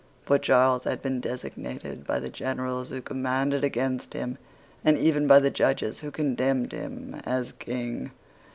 For Charles had been designated by the generals who commanded against him, and even by the judges who condemned him, as King.